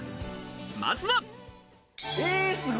まずは。